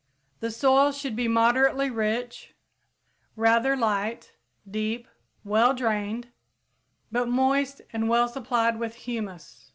The soil should be moderately rich, rather light, deep, well drained, but moist and well supplied with humus.